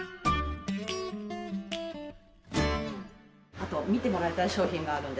あと見てもらいたい商品があるんです。